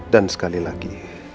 dan sekali lagi